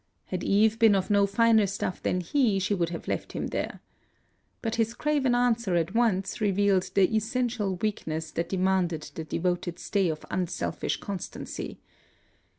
Had Eve been of no finer stuff than he, she would have left him there. But his craven answer at once revealed the essential weakness that demanded the devoted stay of unselfish constancy.